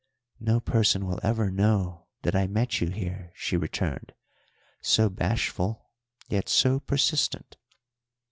"No person will ever know that I met you here," she returned so bashful, yet so persistent.